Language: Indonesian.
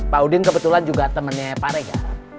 pak udin kebetulan juga temennya pak rega